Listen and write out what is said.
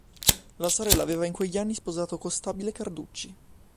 La sorella aveva in quegli anni sposato Costabile Carducci.